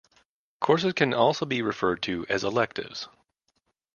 Courses can also be referred to as "electives".